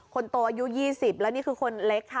คนโตอายุ๒๐แล้วนี่คือคนเล็กค่ะ